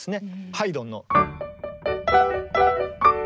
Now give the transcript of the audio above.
ハイドンの。